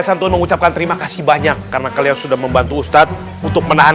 santun mengucapkan terima kasih banyak karena kalian sudah membantu ustadz untuk menahan